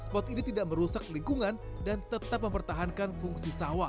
spot ini tidak merusak lingkungan dan tetap mempertahankan fungsi sawah